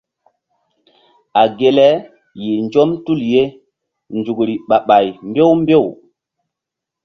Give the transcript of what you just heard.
A ge le yih nzɔm tul ye nzukri ɓah ɓay mbew mbew.